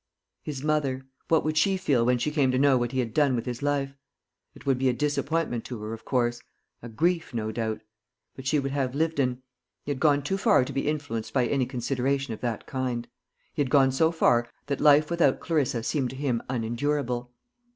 His mother what would she feel when she came to know what he had done with his life? It would be a disappointment to her, of course; a grief, no doubt; but she would have Lyvedon. He had gone too far to be influenced by any consideration of that kind; he had gone so far that life without Clarissa seemed to him unendurable.